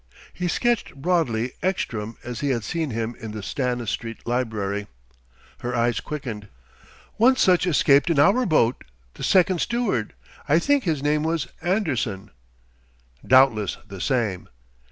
He sketched broadly Ekstrom as he had seen him in the Stanistreet library. Her eyes quickened. "One such escaped in our boat, the second steward; I think his name was Anderson." "Doubtless the same."